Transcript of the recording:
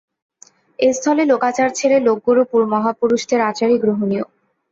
এস্থলে লোকাচার ছেড়ে লোকগুরু মহাপুরুষদের আচারই গ্রহণীয়।